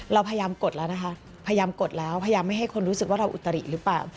เราพยายามกดแล้วนะคะพยายามกดแล้วพยายามไม่ให้คนรู้สึกว่าเราอุตริหรือเปล่า